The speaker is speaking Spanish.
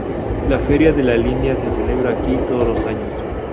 La Feria de La Línea se celebra aquí todos los años.